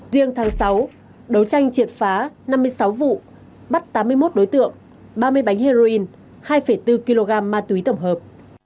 riêng tháng sáu đấu tranh triệt phá năm mươi sáu vụ bắt tám mươi một đối tượng ba mươi bánh heroin hai bốn kg ma túy tổng hợp